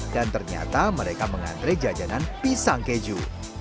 dan ternyata mereka mengantre jajanan pisang keju